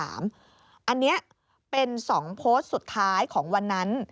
อันนี้เป็น๒โพสต์สุดท้ายของวันนั้น